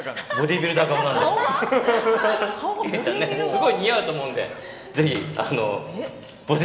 すごい似合うと思うので。